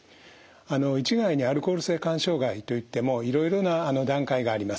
あの一概にアルコール性肝障害と言ってもいろいろな段階があります。